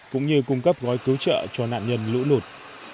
cũng như cung cấp gói cứu trợ cho nạn nhân lũ lụt